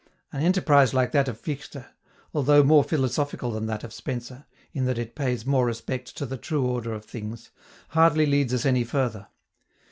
An enterprise like that of Fichte, although more philosophical than that of Spencer, in that it pays more respect to the true order of things, hardly leads us any further.